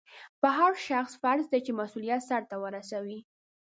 په هر شخص فرض دی چې مسؤلیت سرته ورسوي.